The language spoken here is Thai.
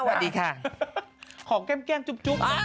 ขอแค้งแก้งจุ๊บ